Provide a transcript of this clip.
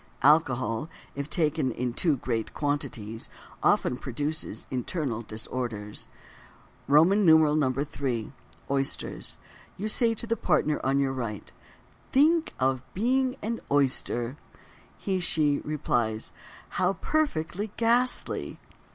Alcohol, if taken in too great quantities, often produces internal disorders. II. Oysters. You say to the partner on your right: "Think of being an oyster!" She (he) replies: "How perfectly ghastly."